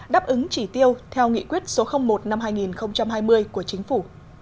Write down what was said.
đáp ứng chỉ tiêu theo nghị quyết số một năm hai nghìn hai mươi của chính phủ